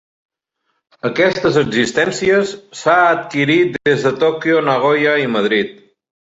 Aquestes existències s'ha adquirit des de Tòquio, Nagoya, i Madrid.